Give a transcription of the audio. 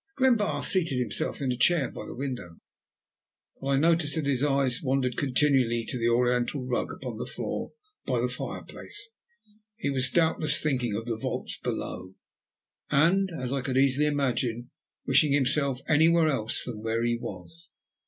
Glenbarth seated himself in a chair by the window, but I noticed that his eyes wandered continually to the oriental rug upon the floor by the fireplace. He was doubtless thinking of the vaults below, and, as I could easily imagine, wishing himself anywhere else than where he was.